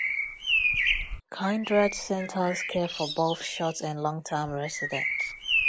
Kindred's centers care for both short- and long-term residents.